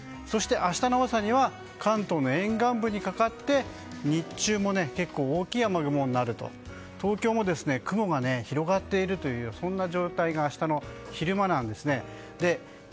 そして明日の朝には関東の沿岸部にかかって日中も大きい雨雲になって東京も雲が広がっているというそんな状態が明日の昼間なんですね。